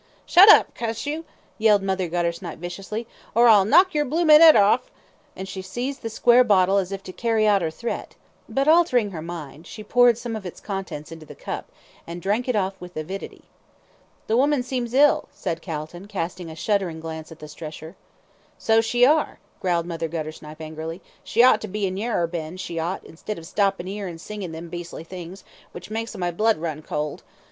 "Shut up, cuss you!" yelled Mother Guttersnipe, viciously, "or I'll knock yer bloomin' 'ead orf," and she seized the square bottle as if to carry out her threat; but, altering her mind, she poured some of its contents into the cup, and drank it off with avidity. "The woman seems ill," said Calton, casting a shuddering glance at the stretcher. "So she are," growled Mother Guttersnipe, angrily. "She ought to be in Yarrer Bend, she ought, instead of stoppin' 'ere an' singin' them beastly things, which makes my blood run cold.